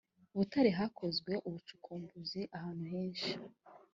butare hakozwe ubucukumbuzi ahantu henshi